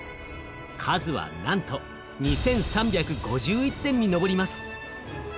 数はなんと２，３５１点に上ります。